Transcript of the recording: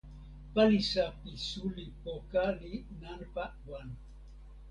palisa pi suli poka li nanpa wan.